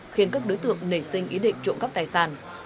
khiến các đối tượng nảy sinh ý định trộm cắp tài sản